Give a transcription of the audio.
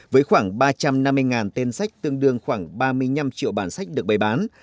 với khoảng ba trăm năm mươi tên sách tương đương khoảng ba mươi năm triệu bản sách được bày bán